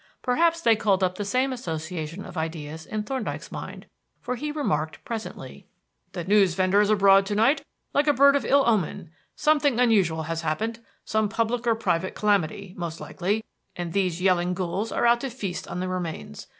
Perhaps they called up the same association of ideas in Thorndyke's mind, for he remarked presently: "The newsvendor is abroad to night like a bird of ill omen. Something unusual has happened; some public or private calamity, most likely, and these yelling ghouls are out to feast on the remains.